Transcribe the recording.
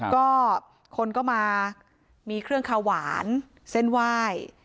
ก็คนก็มามีเครื่องคาหวานเส้นไหว้